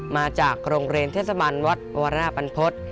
มาจากโรงเรียนเทศบันวัดวรปันพฤษ